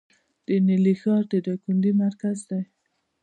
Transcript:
د نیلي ښار د دایکنډي مرکز دی